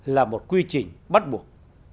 là một quy trình bắt buộc